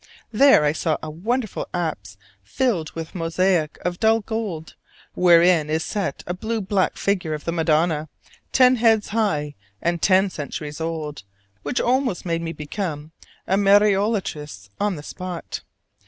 There I saw a wonderful apse filled with mosaic of dull gold, wherein is set a blue black figure of the Madonna, ten heads high and ten centuries old, which almost made me become a Mariolatrist on the spot.